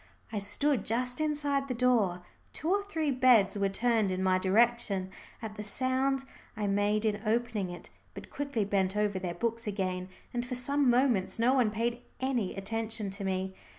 I stood just inside the door. Two or three heads were turned in my direction at the sound I made in opening it, but quickly bent over their books again, and for some moments no one paid any attention to me.